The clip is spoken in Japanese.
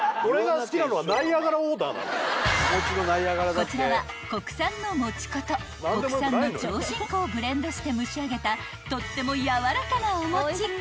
［こちらは国産のもち粉と国産の上新粉をブレンドして蒸し上げたとってもやわらかなお餅］